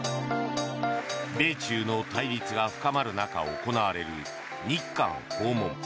米中の対立が深まる中、行われる日韓訪問。